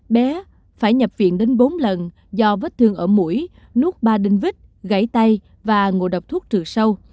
bé phải nhập viện đến bốn lần do vết thương ở mũi núp ba đinh vít gãy tay và ngộ độc thuốc trừ sâu